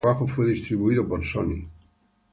Este trabajo fue distribuido por Sony.